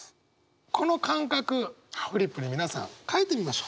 この感覚フリップに皆さん書いてみましょう。